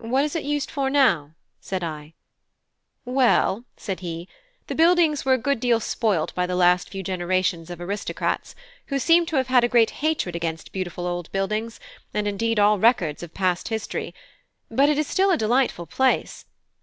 "What is it used for now?" said I. "Well," said he, "the buildings were a good deal spoilt by the last few generations of aristocrats, who seem to have had a great hatred against beautiful old buildings, and indeed all records of past history; but it is still a delightful place.